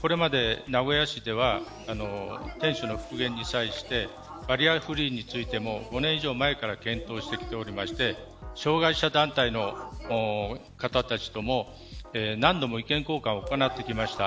これまで名古屋市では天守の復元に際してバリアフリーについても５年以上前から検討してきておりまして障害者団体の方たちとも何度も意見交換を行ってきました。